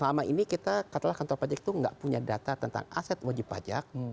selama ini kita katakanlah kantor pajak itu nggak punya data tentang aset wajib pajak